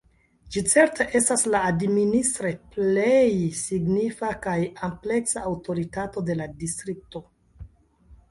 Ĝi certe estas la administre plej signifa kaj ampleksa aŭtoritato de la distrikto.